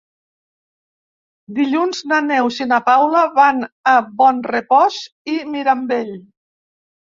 Dilluns na Neus i na Paula van a Bonrepòs i Mirambell.